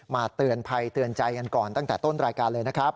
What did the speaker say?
เตือนภัยเตือนใจกันก่อนตั้งแต่ต้นรายการเลยนะครับ